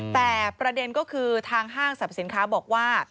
แต่ประเด็นก็คือทางห้างสรรพสินค้าบอกว่า